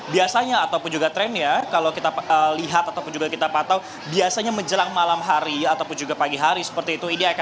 biasanya ataupun juga trennya kalau kita lihat ataupun juga kita pantau biasanya menjelang malam hari ataupun juga pagi hari seperti itu